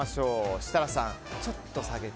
設楽さん、ちょっと下げて。